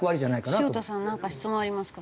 潮田さんなんか質問ありますか？